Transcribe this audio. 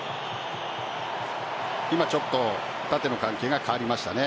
今、縦の関係が変わりましたね。